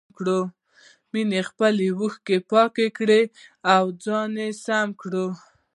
مينې خپلې اوښکې پاکې کړې او ځان يې سم کړ.